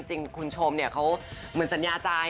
จริงคุณชมเนี่ยเขาเหมือนสัญญาใจ